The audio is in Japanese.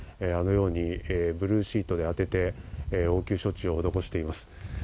あのようにブルーシートを当てて応急処置を施しています。